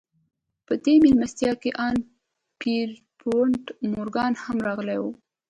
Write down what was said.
په دې مېلمستيا کې ان پيرپونټ مورګان هم راغلی و.